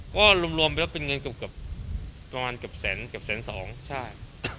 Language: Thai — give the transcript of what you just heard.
ก็รวมไปแล้วเป็นเงินเกือบประมาณเกือบแสนเกือบแสนสองใช่